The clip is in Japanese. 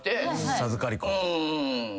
授かり婚。